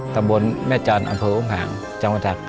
ตำบลแม่จันทร์อำเภออุ้มหางจังหวัดตัก